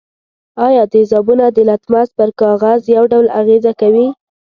آیا تیزابونه د لتمس پر کاغذ یو ډول اغیزه کوي؟